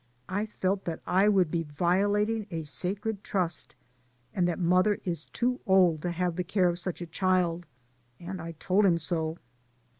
I felt that I would be violating a sacred trust, and that mother is too old to have the care of such a child, and I told him so.